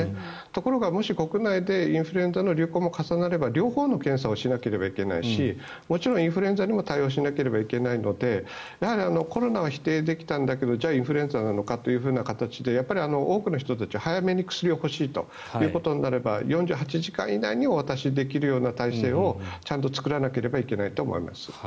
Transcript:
ところがもし国内でインフルエンザの流行も重なれば両方の検査もしなければいけないしもちろんインフルエンザにも対応しなければいけないのでやはりコロナは否定できたんだけどじゃあ、インフルエンザなのかという形で多くの人たちは早めに薬が欲しいということになれば４８時間以内にお渡しできるような体制をちゃんと作らなければいけないと思います。